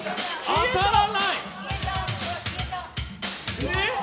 当たらない！